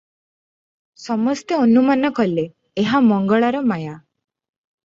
ସମସ୍ତେ ଅନୁମାନ କଲେ, ଏହା ମଙ୍ଗଳାର ମାୟା ।